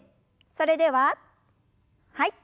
それでははい。